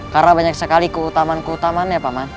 karena banyak sekali keutaman keutaman ya paman